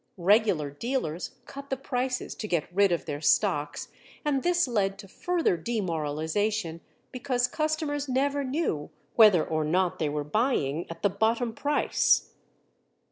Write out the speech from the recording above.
Regular dealers cut the prices to get rid of their stocks, and this led to further demoralization because customers never knew whether or not they were buying at the bottom price.